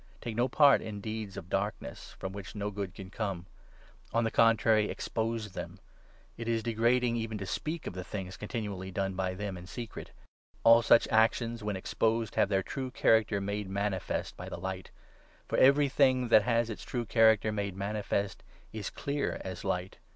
Take no part in deeds of Darkness, from which n no good can come ; on the contrary, expose them. It is 12 degrading even to speak of the things continually done by them in secret. All such actions, when exposed, have their 13 true character made manifest by the Light. For everything that has its true character made manifest is clear as light.